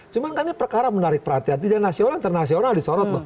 cuman karena perkara menarik perhatian tidak nasional internasional disorot